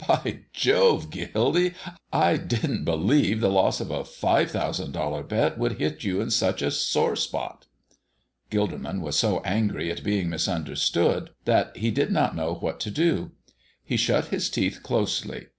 "By Jove! Gildy, I didn't believe the loss of a five thousand dollar bet would hit you in such a sore spot." Gilderman was so angry at being misunderstood that he did not know what to do. He shut his teeth closely.